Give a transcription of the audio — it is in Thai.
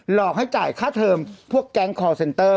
หลอกให้จ่ายค่าเทอมพวกแก๊งคอร์เซ็นเตอร์